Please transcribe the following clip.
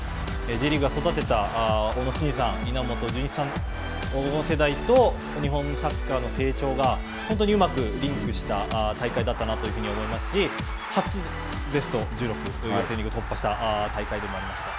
Ｊリーグが育てた小野伸二さん、稲本潤一さん、黄金世代と日本のサッカーの成長が本当にうまくリンクした大会だったなと思いますし、初ベスト１６、予選を突破した大会でもありました。